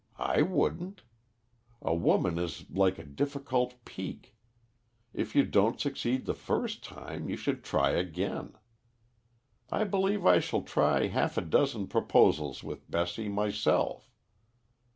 I wouldn't. A woman is like a difficult peak if you don't succeed the first time, you should try again. I believe I shall try half a dozen proposals with Bessie myself.